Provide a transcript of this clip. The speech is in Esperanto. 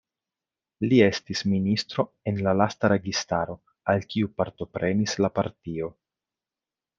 Li estis ministro en la lasta registaro al kiu partoprenis la partio.